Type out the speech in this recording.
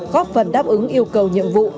góp phần đáp ứng yêu cầu nhiệm vụ